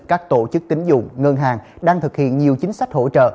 các tổ chức tính dụng ngân hàng đang thực hiện nhiều chính sách hỗ trợ